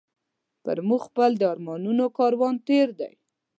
پر موږ خپل د ارمانونو کاروان تېر دی